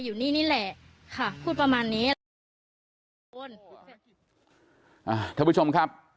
อยู่นี่นี่แหละค่ะพูดประมาณนี้ค่ะท่านผู้ชมครับ